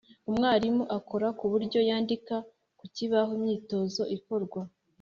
Umwarimu akora ku buryo yandika ku kibaho imyitozo ikorwa